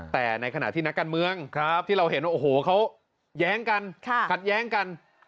แต่ในขณะที่นักการเมืองที่เราเห็นว่าโอ้โหเขาแย้งกันขัดแย้งกัน